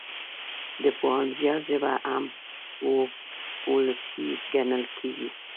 د پوهاند زيار ژبه هم وولسي ګڼل کېږي.